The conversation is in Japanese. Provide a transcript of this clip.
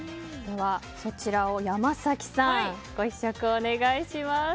そちらを山崎さんご試食をお願いします。